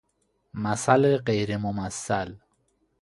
مثل غیر ممثل